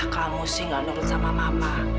kamu sih gak nurut sama mama